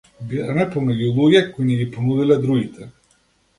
Бираме помеѓу луѓе кои ни ги понудиле другите.